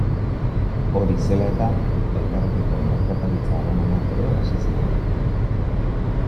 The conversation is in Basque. Hori zela eta, elkarrekiko merkataritza harremanak ere hasi ziren.